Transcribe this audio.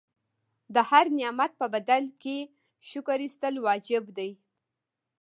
د هر نعمت په بدل کې شکر ایستل واجب دي.